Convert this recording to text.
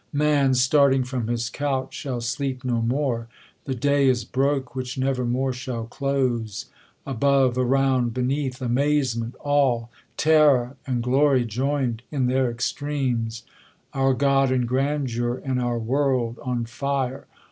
Man, starting from his couch, shall sleep no more ! The day is broke which never more shall close! Above, around, beneath, amazement all! ^Terror and glory join'd in their extremes ! Ovu' God in grandeur, and our world on fire